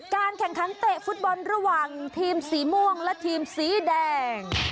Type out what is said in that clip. การแข่งขันเตะฟุตบอลระหว่างทีมสีม่วงและทีมสีแดง